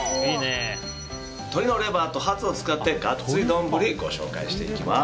鶏のレバーとハツを使ったガッツリ丼、ご紹介していきます。